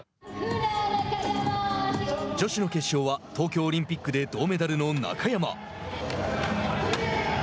女子の決勝は東京オリンピックで銅メダルの中山。